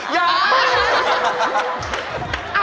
อย่า